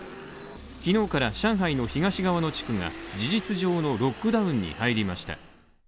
昨日から、上海の東側の地区が事実上のロックダウンに入りました。